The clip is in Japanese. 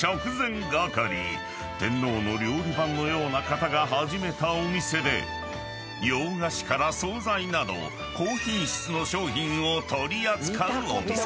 ［天皇の料理番のような方が始めたお店で洋菓子から総菜など高品質の商品を取り扱うお店］